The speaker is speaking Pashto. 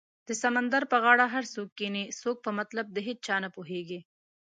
د سمندر په غاړه هر څوک کینې څوک په مطلب د هیچا نه پوهیږې